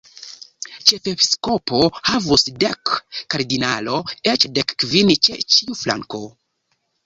Ĉefepiskopo havus dek, kardinalo eĉ dekkvin ĉe ĉiu flanko.